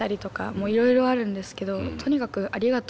もういろいろあるんですけどとにかくありがとうって。